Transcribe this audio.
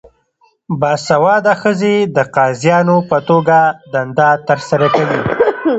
باسواده ښځې د قاضیانو په توګه دنده ترسره کوي.